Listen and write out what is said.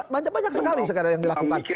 banyak sekali sekarang yang dilakukan